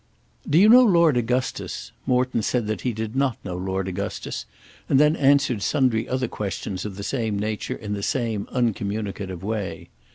"Do you know Lord Augustus?" Morton said that he did not know Lord Augustus and then answered sundry other questions of the same nature in the same uncommunicative way.